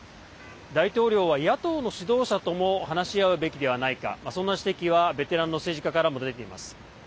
大統領は野党の指導者とも話し合うべきではないかそんな指摘はベテランの政治家からも出ています。